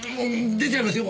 出ちゃいますよ？